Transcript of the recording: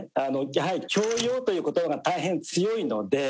やはり「強要」という言葉が大変強いので